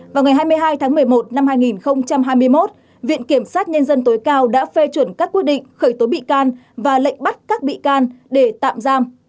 vào ngày hai mươi hai tháng một mươi một năm hai nghìn hai mươi một viện kiểm sát nhân dân tối cao đã phê chuẩn các quyết định khởi tố bị can và lệnh bắt các bị can để tạm giam